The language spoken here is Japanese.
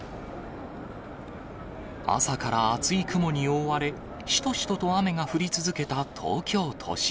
朝から厚い雲に覆われ、しとしとと雨が降り続けた東京都心。